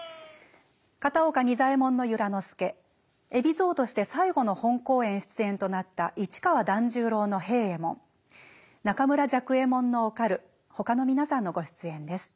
片岡仁左衛門の由良之助海老蔵として最後の本公演出演となった市川團十郎の平右衛門中村雀右衛門のおかるほかの皆さんのご出演です。